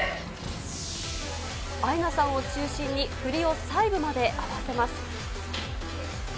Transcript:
アイナさんを中心に振りを最後まで合わせます。